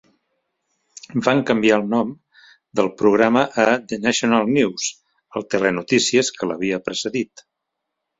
Van canviar el nom del programa a "The national news", el telenotícies que l'havia precedit.